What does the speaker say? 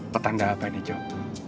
petanda apa ini joc